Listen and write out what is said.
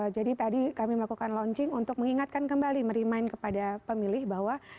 jadi tadi kami melakukan launching untuk mengingatkan kembali merimain kepada pemilih bahwa